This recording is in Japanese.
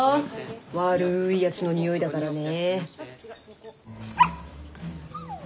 悪いやつの匂いだからね。